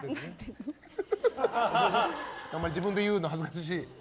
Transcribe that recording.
あまり自分で言うの恥ずかしい？